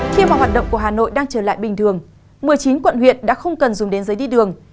khi mà hoạt động của hà nội đang trở lại bình thường một mươi chín quận huyện đã không cần dùng đến giấy đi đường